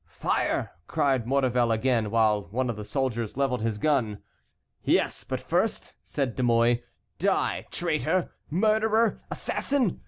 "Fire!" cried Maurevel again, while one of the soldiers levelled his gun. "Yes, but first," said De Mouy, "die, traitor, murderer, assassin!"